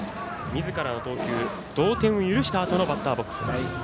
みずからの投球同点を許したあとのバッターボックスです。